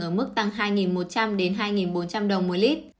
ở mức tăng hai một trăm linh đồng một lít